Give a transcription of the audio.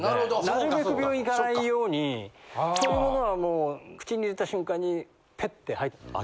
なるべく病院行かないようにそういうものは口に入れた瞬間にペッて吐いてましたね。